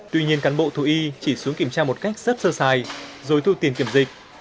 tuy nhiên cán bộ thú y chỉ xuống kiểm tra một cách rất sơ sài rồi thu tiền kiểm dịch